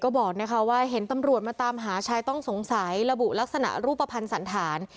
ก็บอกนะคะว่าเห็นตำรวจมาตามหาชายต้องสงสัยระบุลักษณะรูปภัณฑ์สันธาร